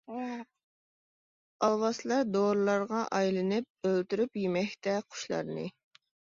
ئالۋاستىلار دورىلارغا ئايلىنىپ ئۆلتۈرۈپ يېمەكتە قۇشلارنى.